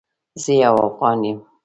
زه یو افغان یم